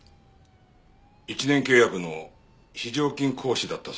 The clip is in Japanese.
１年契約の非常勤講師だったそうですね。